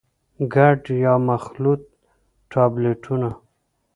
ګډ يا مخلوط ټابليټونه: